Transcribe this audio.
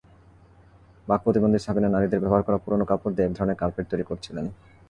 বাক্প্রতিবন্ধী সাবিনা নারীদের ব্যবহার করা পুরোনো কাপড় দিয়ে একধরনের কার্পেট তৈরি করছিলেন।